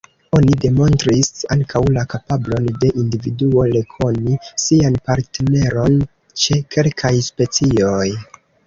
Oni demonstris ankaŭ la kapablon de individuo rekoni sian partneron ĉe kelkaj specioj.